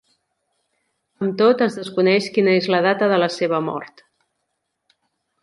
Amb tot, es desconeix quina és la data de la seva mort.